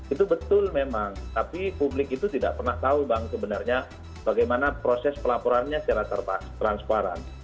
itu betul memang tapi publik itu tidak pernah tahu bang sebenarnya bagaimana proses pelaporannya secara transparan